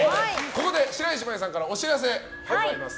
ここで白石麻衣さんからお知らせございます。